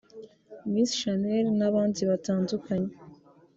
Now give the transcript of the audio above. Miss Shanel n’abandi batandukanye